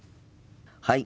はい。